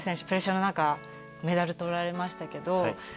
プレッシャーの中メダル取られましたけど。